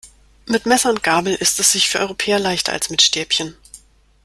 Mit Messer und Gabel isst es sich für Europäer leichter als mit Stäbchen.